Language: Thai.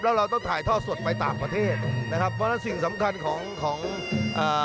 แล้วเราต้องถ่ายท่อสดไปต่างประเทศนะครับเพราะฉะนั้นสิ่งสำคัญของของอ่า